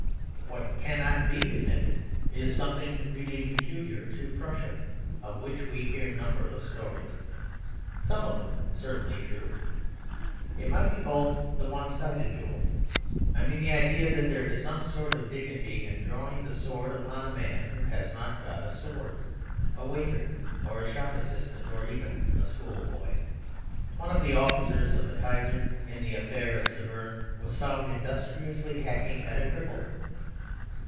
What cannot be defended is something really peculiar to Prussia, of which we hear numberless stories, some of them certainly true. It might be called the one sided duel. I mean the idea that there is some sort of dignity in drawing the sword upon a man who has not got a sword; a waiter, or a shop assistant, or even a schoolboy. One of the officers of the Kaiser in the affair at Saberne was found industriously hacking at a cripple.